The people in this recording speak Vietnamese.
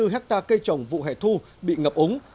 ba trăm tám mươi bốn hectare cây trồng vụ hẻ thu bị ngập úng